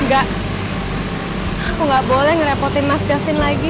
enggak aku gak boleh ngerepotin mas gafin lagi